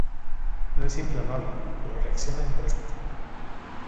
No es inflamable, pero reacciona en presencia de fuego.